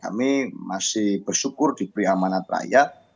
kami masih bersyukur di pria amanat rakyat